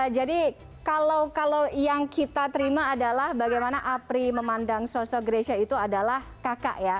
jadi kalau yang kita terima adalah bagaimana apri memandang sosok grecia itu adalah kakak ya